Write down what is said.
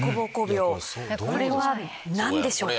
これは何でしょうか？